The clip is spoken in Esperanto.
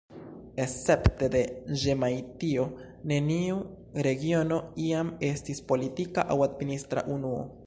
Escepte de Ĵemajtio neniu regiono iam estis politika aŭ administra unuo.